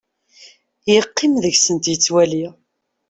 Yeqqim deg-sent yettwali.